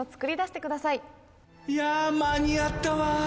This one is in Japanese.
いや間に合ったわ！